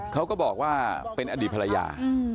เขาก็บอกว่าเป็นอดีตภรรยา